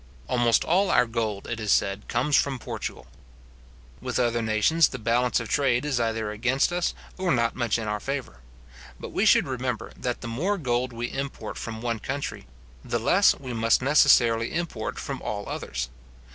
Almost all our gold, it is said, comes from Portugal. With other nations, the balance of trade is either against as, or not much in our favour. But we should remember, that the more gold we import from one country, the less we must necessarily import from all others.